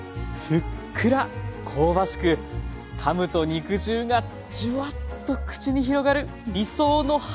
ふっくら香ばしくかむと肉汁がジュワッと口に広がる理想のハンバーグ。